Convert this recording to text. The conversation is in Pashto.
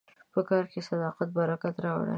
په کار کې صداقت برکت راوړي.